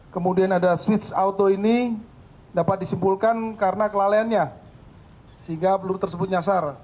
kemudian ada switch auto ini dapat disimpulkan karena kelalaiannya sehingga peluru tersebut nyasar